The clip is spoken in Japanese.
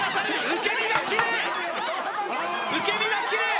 受け身がきれい！